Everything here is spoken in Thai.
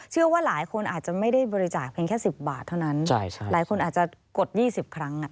เชื่อว่าหลายคนอาจจะไม่ได้บริจาคเพียงแค่๑๐บาทเท่านั้นหลายคนอาจจะกด๒๐ครั้ง